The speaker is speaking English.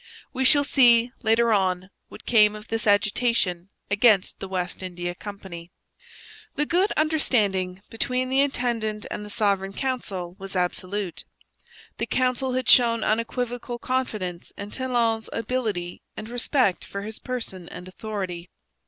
We shall see, later on, what came of this agitation against the West India Company. The good understanding between the intendant and the Sovereign Council was absolute. The council had shown unequivocal confidence in Talon's ability and respect for his person and authority.